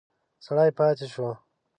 سړی پاتې شو.